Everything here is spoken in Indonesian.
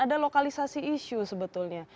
ada lokalisasi isu sebetulnya